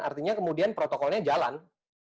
artinya kemudian protokolnya jalan